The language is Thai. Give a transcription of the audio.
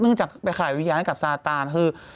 จากไปขายวิญญาณให้กับซาตานคือ